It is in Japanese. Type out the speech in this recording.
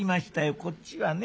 こっちはね